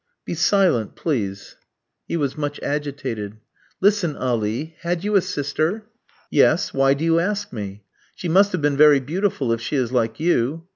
"Be silent, please." He was much agitated. "Listen, Ali. Had you a sister?" "Yes; why do you ask me?" "She must have been very beautiful if she is like you?"